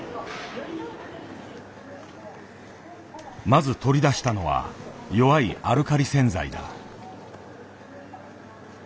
まず取り出したのは弱いアルカリ洗剤だ。